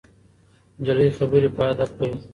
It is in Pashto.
نجلۍ خبرې په ادب کوي.